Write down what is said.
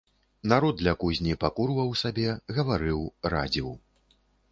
Народ ля кузні пакурваў сабе, гаварыў, радзіў.